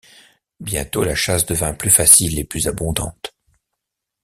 Bientôt, la chasse devint plus facile et plus abondante.